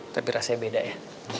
tapi rasanya beda ya